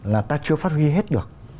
là ta chưa phát huy hết được cái tác dụng của nó